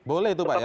boleh itu pak ya